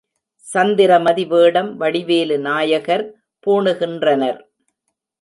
சந்திரமதி வேடம் வடிவேலு நாயகர் பூணுகின்றனர்.